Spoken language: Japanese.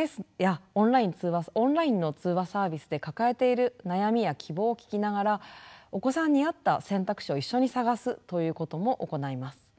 ＳＮＳやオンラインの通話サービスで抱えている悩みや希望を聞きながらお子さんに合った選択肢を一緒に探すということも行います。